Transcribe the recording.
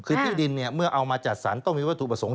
คือที่ดินเนี่ยเมื่อเอามาจัดสรรต้องมีวัตถุประสงค์